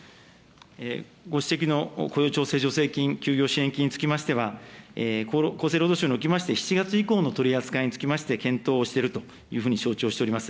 ご指摘の雇用調整助成金、休業支援金につきましては、厚生労働省におきまして、７月以降の取り扱いにつきまして、検討をしているというふうに承知をしております。